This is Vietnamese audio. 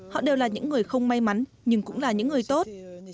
họ đều là những người không may mắn nhưng cũng là những người tốt